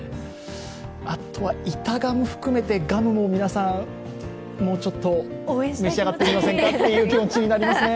あとは板ガム含めてガムも皆さん、もうちょっと召し上がってみませんかって気持ちになりますね。